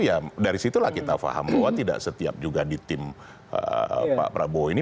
ya dari situlah kita paham bahwa tidak setiap juga di tim pak prabowo ini